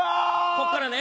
こっからね。